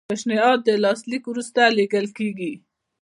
پیشنهاد د لاسلیک وروسته لیږل کیږي.